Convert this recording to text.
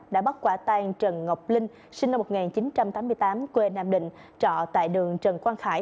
đã bắt quả tang trần ngọc linh sinh năm một nghìn chín trăm tám mươi tám quê nam định trọ tại đường trần quang khải